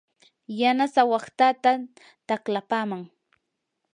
yanasaa waqtataa taqlapaman.